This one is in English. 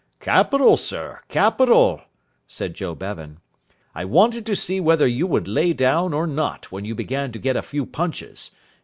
"Capital, sir, capital," said Joe Bevan. "I wanted to see whether you would lay down or not when you began to get a few punches.